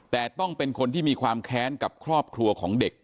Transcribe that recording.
แต่ต้องเป็นคนที่มีความแค้นกับครอบครัวของเด็ก